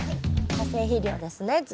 化成肥料ですね次。